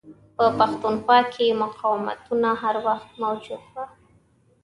په پښتونخوا کې مقاوتونه هر وخت موجود وه.